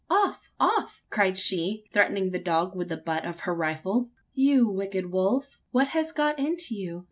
"Off, off!" cried she, threatening the dog with the butt of her rifle. "You wicked Wolf! what has got into you?